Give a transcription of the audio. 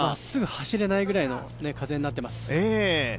すぐ走れないぐらいの風になっています。